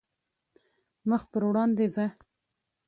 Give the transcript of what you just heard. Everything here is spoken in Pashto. مخ پر وړاندې ځه .